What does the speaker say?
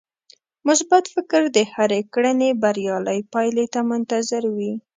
مثبت فکر د هرې کړنې بريالۍ پايلې ته منتظر وي.